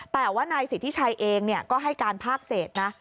แต่ว่านายสิทธิชัยเองก็ให้การภาคเศษนะ